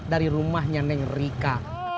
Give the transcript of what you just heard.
dari rumahnya neng rika